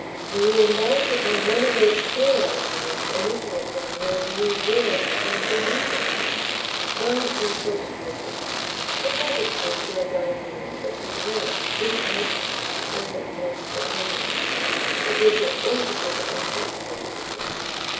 We embarked upon one of those queer arguments illiterate young men used always to find so heating. Science or Socialism? It was, of course, like arguing which is right, left handedness or a taste for onions, it was altogether impossible opposition.